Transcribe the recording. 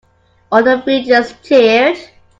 All the villagers cheered.